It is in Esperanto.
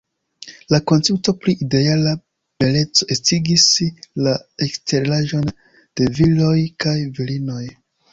La koncepto pri ideala beleco estigis la eksteraĵon de viroj kaj virinoj.